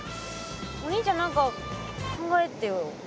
お兄ちゃん何か考えてよ。